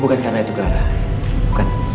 bukan karena itu gelara bukan